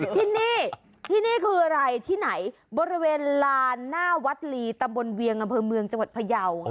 ที่นี่ที่นี่คืออะไรที่ไหนบริเวณลานหน้าวัดลีตำบลเวียงอำเภอเมืองจังหวัดพยาว